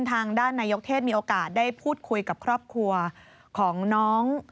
ทางด้านนายกเทศมีโอกาสได้พูดคุยกับครอบครัวของน้อง